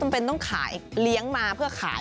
เป็นต้องขายเลี้ยงมาเพื่อขาย